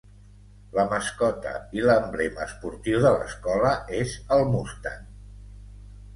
La mascota i l'emblema esportiu de l'escola és el mustang.